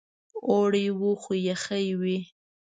اوړی و خو یخې وې.